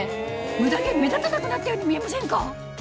ムダ毛目立たなくなったように見えませんか？